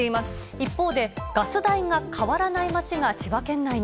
一方で、ガス代が変わらない町が千葉県内に。